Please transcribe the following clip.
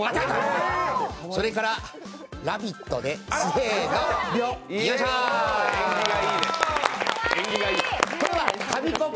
それからラヴィットで、せーの、ビョッ。